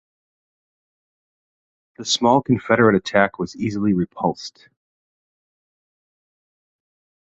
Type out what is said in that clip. The small Confederate attack was easily repulsed.